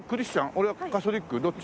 俺はカトリック？どっち？